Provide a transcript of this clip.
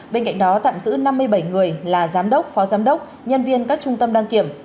bên cạnh đó tạm giữ năm mươi bảy người là giám đốc phó giám đốc nhân viên các trung tâm đăng kiểm